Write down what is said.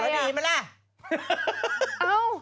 แล้วดีมั้ยล่ะ